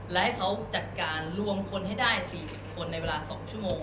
และให้เขาจัดการรวมคนให้ได้๔๐คนในเวลา๒ชั่วโมง